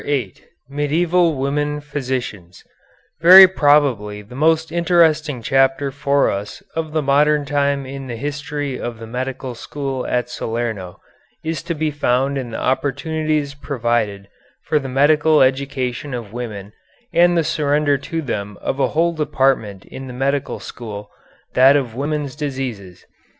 VIII MEDIEVAL WOMEN PHYSICIANS Very probably the most interesting chapter for us of the modern time in the history of the medical school at Salerno is to be found in the opportunities provided for the medical education of women and the surrender to them of a whole department in the medical school, that of Women's Diseases.